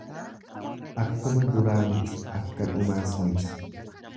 Akkuma duraa miti akka dhumaas miti.